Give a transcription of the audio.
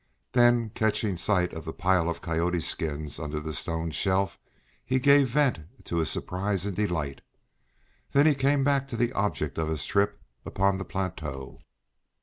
Then, catching sight of the pile of coyote skins under the stone shelf, he gave vent to his surprise and delight. Then he came back to the object of his trip upon the plateau.